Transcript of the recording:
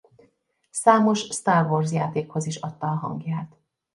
Számos Star Wars játékhoz is adta a hangját.